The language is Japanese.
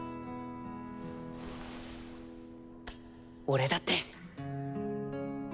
俺だって。